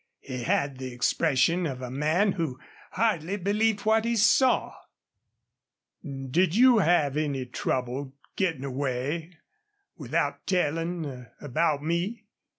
He had the expression of a man who hardly believed what he saw. "Did you have any trouble gettin' away, without tellin' about me?"